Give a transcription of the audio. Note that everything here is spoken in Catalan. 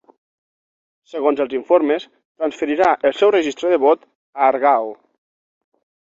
Segons els informes, transferirà el seu registre de vot a Argao.